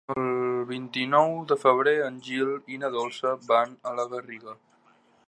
El vint-i-nou de febrer en Gil i na Dolça van a la Garriga.